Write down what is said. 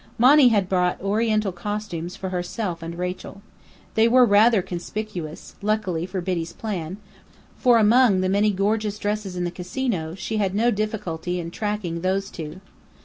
Monny had bought Oriental costumes for herself and Rachel. They were rather conspicuous, luckily for Biddy's plan, for among the many gorgeous dresses in the Casino she had no difficulty in tracking those two.